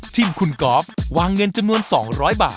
ทีมคุณกอล์ฟวางเงินจำนวน๒๐๐บาท